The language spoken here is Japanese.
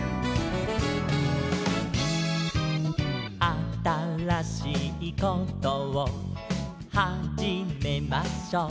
「あたらしいことをはじめましょう」